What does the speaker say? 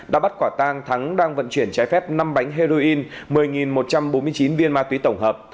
đã bắt quả tang thắng đang vận chuyển trái phép năm bánh heroin một mươi một trăm bốn mươi chín viên ma túy tổng hợp